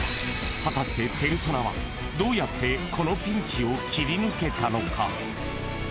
［果たしてペルソナはどうやってこのピンチを切り抜けたのか］